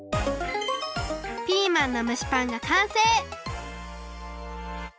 ピーマンのむしパンがかんせい！